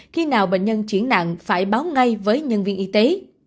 khi nào bệnh nhân chuyển nặng phải báo ngay với nhân viên y tế